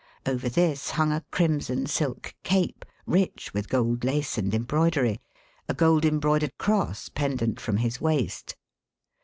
Over this hung a crimson silk cape, rich with gold lace and embroidery, a gold embroidered cross pen dant from his waist.